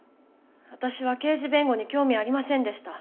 私は刑事弁護に興味ありませんでした